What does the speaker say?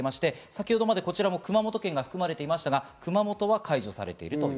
先程まで熊本県が含まれていましたが、熊本は解除されています。